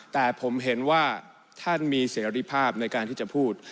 แต่ผมเห็นว่าท่านมีเสรีภาพในการที่จะพูด